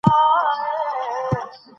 خلک د هغه سفر ته په سترګو حیران شول.